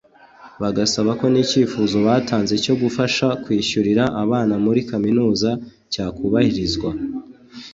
bagasaba ko n’icyifuzo batanze cyo kubafasha kwishyurira abana muri Kaminuza cyakubahirizwa